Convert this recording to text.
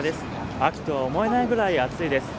秋とは思えないぐらい暑いです。